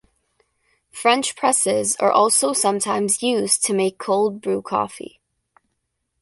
French presses are also sometimes used to make cold brew coffee.